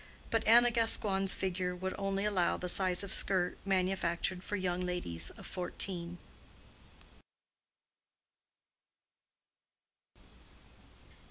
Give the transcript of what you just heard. But Anna Gascoigne's figure would only allow the size of skirt manufactured for young ladies of fourteen.